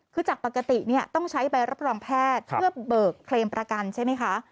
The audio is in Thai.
คือจากปกติต้องใช้ใบรับรองแพทย์เพื่อเบิกเคลมประกันใช่ไหมคะ